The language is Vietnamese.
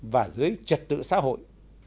và dưới trật tự xã hội